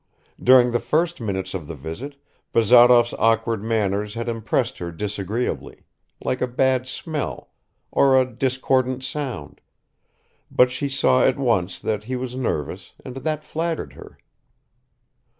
During the first minutes of the visit, Bazarov's awkward manners had impressed her disagreeably, like a bad smell, or a discordant sound; but she saw at once that he was nervous and that flattered her.